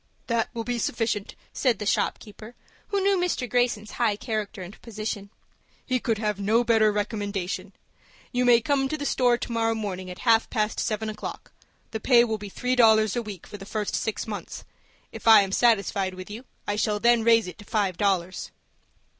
"That will be sufficient," said the shop keeper, who knew Mr. Greyson's high character and position. "He could have no better recommendation. You may come to the store to morrow morning at half past seven o'clock. The pay will be three dollars a week for the first six months. If I am satisfied with you, I shall then raise it to five dollars."